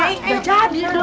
gak jadi dong